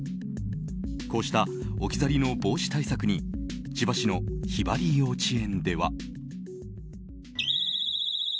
こうした置き去りの防止対策に千葉市のひばり幼稚園では。